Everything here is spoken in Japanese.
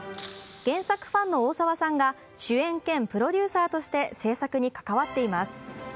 原作ファンの大沢さんが主演兼プロデューサとして制作に関わっています。